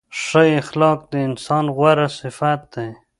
ښه اخلاق د انسان غوره صفت دی.